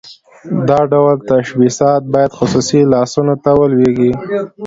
دا ډول تشبثات باید خصوصي لاسونو ته ولویږي.